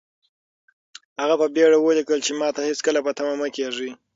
هغه په بېړه ولیکل چې ماته هېڅکله په تمه مه کېږئ.